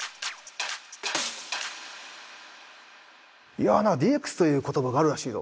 「いやなあＤＸという言葉があるらしいぞ。